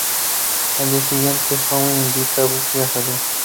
Al día siguiente Owen invita a Buffy a salir.